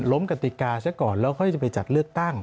กติกาซะก่อนแล้วค่อยจะไปจัดเลือกตั้ง